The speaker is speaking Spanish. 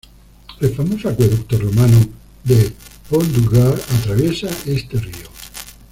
El famoso acueducto romano de "Pont du Gard" atraviesa este río.